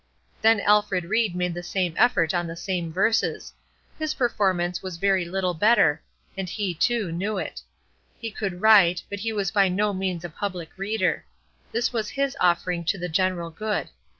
Then Alfred Ried made the same effort on the same verses; his performance was very little better, and he, too, knew it. He could write, but he was by no means a public reader; this was his offering to the general good.